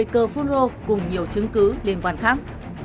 một mươi cờ phun rô cùng nhiều chứng cứ liên quan khác